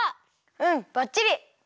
うんばっちり！